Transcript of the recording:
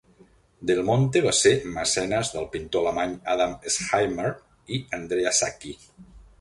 Del Monte va ser mecenes del pintor alemany Adam Elsheimer i Andrea Sacchi.